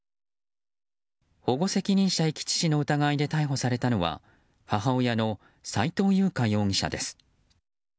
保護責任者遺棄致死の疑いで逮捕されたのは母親の斉藤優花容疑者です。